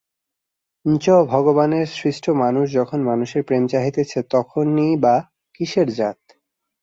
ঞ্চ ভগবানের সৃষ্ট মানুষ যখন মানুষের প্রেম চাহিতেছে তখনই বা কিসের জাত!